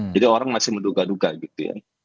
jadi orang masih menduga duga gitu ya